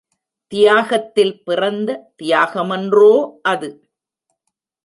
தியாகத்தில் பிறந்த தியாகமன்றோ அது!